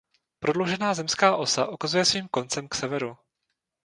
Prodloužená zemská osa ukazuje svým koncem k severu.